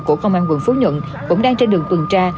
của công an quận phú nhuận cũng đang trên đường tuần tra